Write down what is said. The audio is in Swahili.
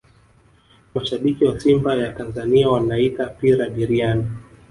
mashabiki wa simba ya tanzania wanaita pira biriani